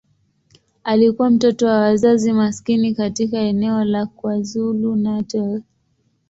Alikuwa mtoto wa wazazi maskini katika eneo la KwaZulu-Natal.